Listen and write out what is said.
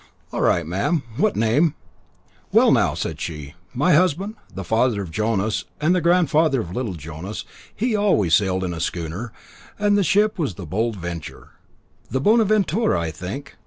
"All right, ma'am. What name?" "Well, now," said she, "my husband, the father of Jonas, and the grandfather of the little Jonas, he always sailed in a schooner, and the ship was the Bold Venture." "The Bonaventura, I think.